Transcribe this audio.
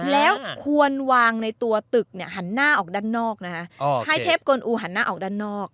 แล้วควรวางในตัวตึกเนี่ยหันหน้าออกด้านนอกนะคะให้เทพกลอูหันหน้าออกด้านนอก